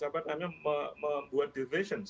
apa hanya membuat divisions